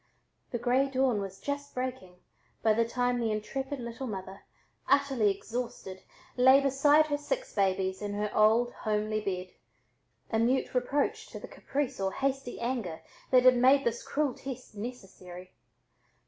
The gray dawn was just breaking by the time the intrepid little mother, utterly exhausted, lay beside her six babies in her old homey bed, a mute reproach to the caprice or hasty anger that had made this cruel test necessary.